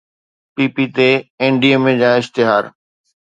P P تي NDMA اشتهار